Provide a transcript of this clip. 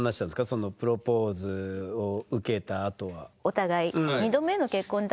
そのプロポーズを受けたあとは。